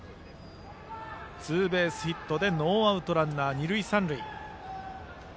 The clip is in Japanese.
ツーベースヒットでノーアウトランナー、二塁三塁。